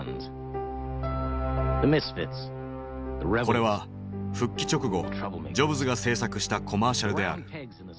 これは復帰直後ジョブズが制作したコマーシャルである。